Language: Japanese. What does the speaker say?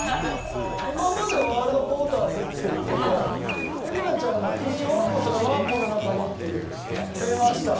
今までワールドポーターズって言ってて恵理那ちゃんが急にワーポっつったからワーポの中にって。出ました。